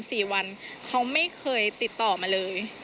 เขาไม่เคยติดต่อมาเลย